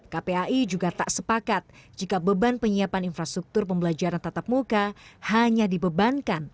kpai juga tak sepakat jika beban penyiapan infrastruktur pembelajaran tatap muka hanya dibebankan